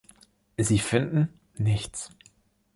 Sie finden nichts.